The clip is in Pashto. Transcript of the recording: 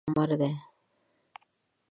غږ د امید لمر دی